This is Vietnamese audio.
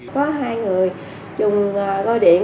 có hai người dùng gói điện